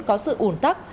có sự ủn tắc